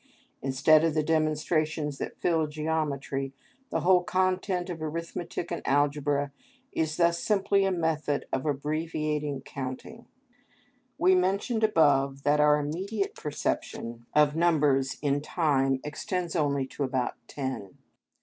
Instead of the demonstrations that fill geometry, the whole content of arithmetic and algebra is thus simply a method of abbreviating counting. We mentioned above that our immediate perception of numbers in time extends only to about ten.